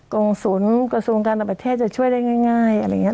งศูนย์กระทรวงการต่างประเทศจะช่วยได้ง่ายอะไรอย่างนี้